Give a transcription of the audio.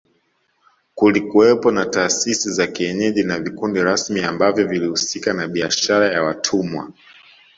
Kulikuwepo na taasisi za kienyeji na vikundi rasmi ambavyo vilihusika na biashara ya watumwa